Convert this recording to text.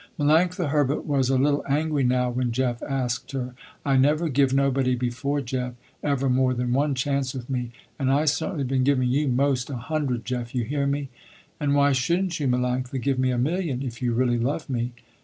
Melanctha Herbert was a little angry now when Jeff asked her, "I never give nobody before Jeff, ever more than one chance with me, and I certainly been giving you most a hundred Jeff, you hear me." "And why shouldn't you Melanctha, give me a million, if you really love me!"